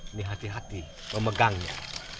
ini hati hati memegangnya